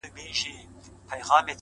• بریالي وه له دې فتحي یې زړه ښاد وو ,